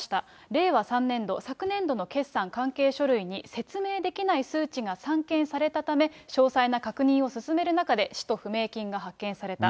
令和３年度、昨年度の決算関係書類に、説明できない数値が散見されたため、詳細な確認を進める中で、使途不明金が発見された。